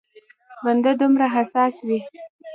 بنده دومره حساس وي.